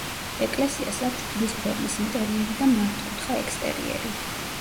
ეკლესიას აქვს ჯვრის ფორმის ინტერიერი და მართკუთხა ექსტერიერი.